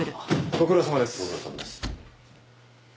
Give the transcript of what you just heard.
ご苦労さまです。